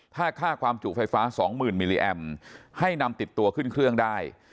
ถ้าค่าความจุไฟฟ้าสองหมื่นมิลลิแอมให้นำติดตัวขึ้นเครื่องได้